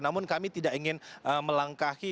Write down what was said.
namun kami tidak ingin melangkahi